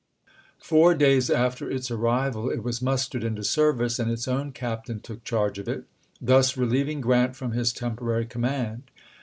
Four days after its arrival it was mustered into service and its own captain took charge of it, thus relieving Grant from his temporary command.